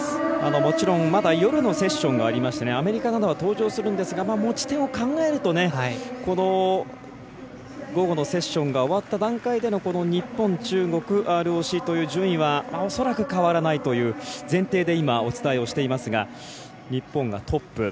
もちろん、まだ夜のセッションがありましてアメリカなどは登場するんですが持ち点を考えるとこの午後のセッションが終わった段階でのこの日本、中国、ＲＯＣという順位はおそらく変わらないという前提で今、お伝えをしていますが日本がトップ。